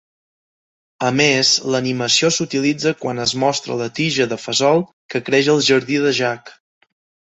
A més, l'animació s'utilitza quan es mostra la tija de fesol que creix al jardí de Jack.